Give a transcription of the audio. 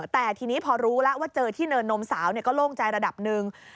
แต่ทีนี้พอรู้แล้วว่าเจอที่เนินนมสาวก็โล่งใจระดับหนึ่ง